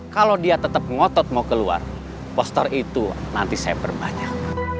kalau dia tetap ngotot mau keluar poster itu nanti saya perbanyak